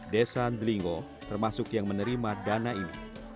desa andelingo termasuk yang menerima dana ini